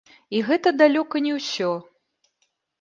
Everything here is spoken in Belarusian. І гэта далёка не ўсё.